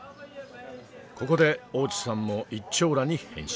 ここで大地さんも一張羅に変身。